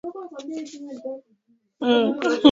Na kuendelea na kwa kubadilisha pua yake na rangi ya ngozi yake